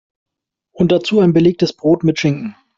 Und dazu ein belegtes Brot mit Schinken.